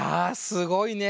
すごいね。